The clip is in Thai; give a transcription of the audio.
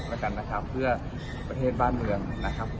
แล้วกันนะครับเพื่อประเทศบ้านเมืองนะครับ